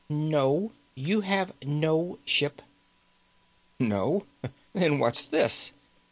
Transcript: "No. You have no ship." "No? Then what's this?"